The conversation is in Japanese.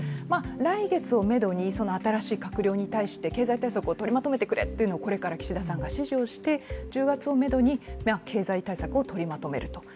来月をめどに、新しい閣僚に対して経済対策を取りまとめてくれというのをこれから岸田さんが指示をして、１０月をめどに経済対策を取りまとめると。